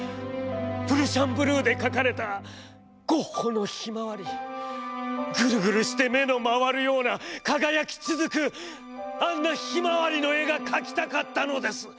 プルシャンブルーで描かれたゴッホのひまわりグルグルして目の廻るような輝きつづくあんなひまわりの絵が描きたかったのです。